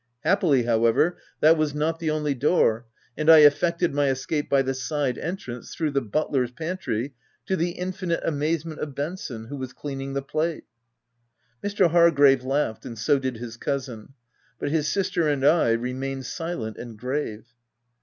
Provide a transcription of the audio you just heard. Happily, however, that was not the only door, and I effected my escape by the side entrance, through the butler's pantry, to the infinite amazement of Benson, who was cleaning the plate." Mr. Hargrave laughed, and so did his cousin ; but his sister and I remained silent and grave.